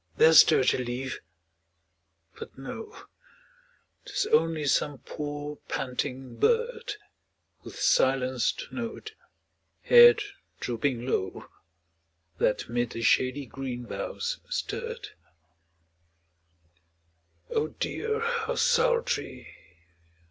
there stirred a leaf, but no, Tis only some poor, panting bird, With silenced note, head drooping low, That 'mid the shady green boughs stirred. Oh dear! how sultry!